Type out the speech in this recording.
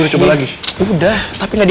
tolong aja putri